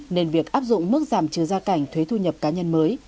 nên việc áp dụng mức giảm chứa ra cảnh thuế thu nhập cá nhân mới